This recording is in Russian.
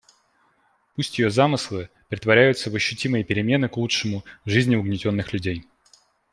Пусть ее замыслы претворяются в ощутимые перемены к лучшему в жизни угнетенных людей.